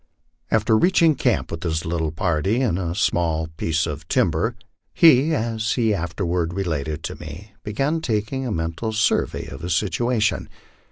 After reaching camp with his little party, in a small piece of timber, he, as he afterward related to me, began taking a mental survey of his situation.